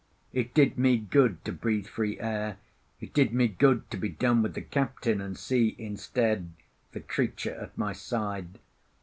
It did me good to breathe free air; it did me good to be done with the captain and see, instead, the creature at my side.